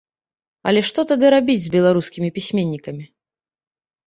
Але што тады рабіць з беларускімі пісьменнікамі?